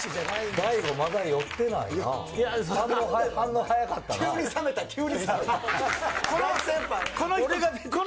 大悟、まだ酔ってないな。